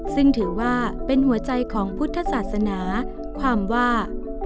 ซึ่งถือว่าเป็นหัวใจของพุทธศาสนาความว่า